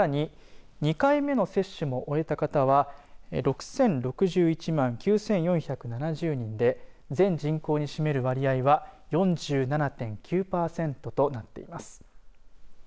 さらに２回目の接種も終えた方は６０６１万９４７０人で全人口に占める割合は４７．９パーセントとなっています。